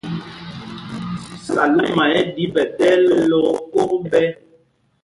Salúma ɛ́ ɗǐ ɓɛ ɗɛ́l lɛ́ ókok ɓɛ̄.